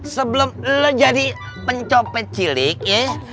sebelum lo jadi pencopet cilik ya